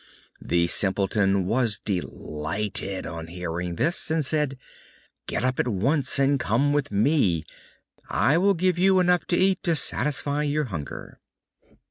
The Simpleton was delighted on hearing this, and said: "Get up at once and come with me. I will give you enough to eat to satisfy your hunger."